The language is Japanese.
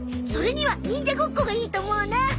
それには忍者ごっこがいいと思うな。